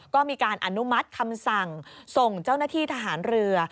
ก็มีการอนุมัติคำสั่งส่งเจ้าหน้าที่ทหารเรือ